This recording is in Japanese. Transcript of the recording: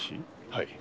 はい。